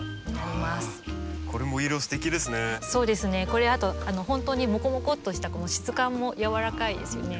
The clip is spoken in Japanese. これあと本当にもこもこっとした質感も柔らかいですよね。